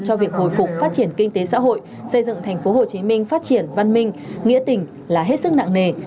cho việc hồi phục phát triển kinh tế xã hội xây dựng thành phố hồ chí minh phát triển văn minh nghĩa tình là hết sức nặng nề